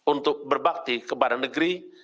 untuk berbakti kepada negeri